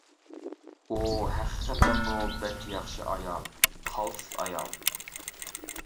ئۇ ھەقىقەتەنمۇ بەك ياخشى ئايال، قالتىس ئايال.